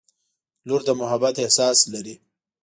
• لور د محبت احساس لري.